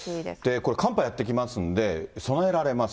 これ、寒波やって来ますので、備えられます。